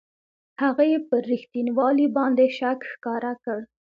هغه یې پر رښتینوالي باندې شک ښکاره کړ.